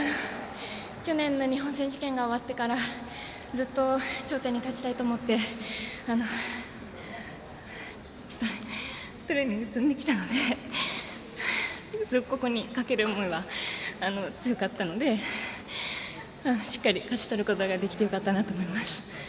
去年の日本選手権が終わってからずっと頂点に立ちたいと思ってトレーニングを積んできたのでここにかける思いは強かったのでしっかり、勝ち取ることができてよかったなと思います。